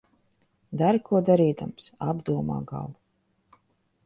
Dari ko darīdams, apdomā galu.